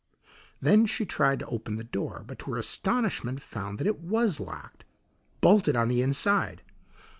Then she tried to open the door, but to her astonishment found that it was locked bolted on the inside.